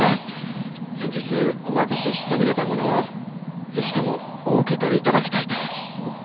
先日お渡ししそびれたものをぜひともお受け取りいただきたいと。